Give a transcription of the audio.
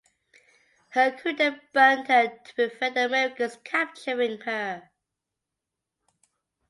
Her crew then burnt her to prevent the Americans capturing her.